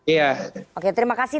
iya oke terima kasih